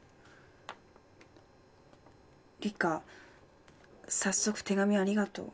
「リカ早速手紙ありがとう。